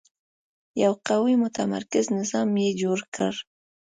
یو قوي متمرکز نظام یې جوړ کړ.